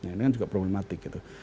nah ini kan juga problematik gitu